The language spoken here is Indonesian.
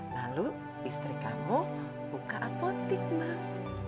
lalu istri kamu buka apotik bang